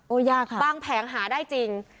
ยากค่ะบางแผงหาได้จริง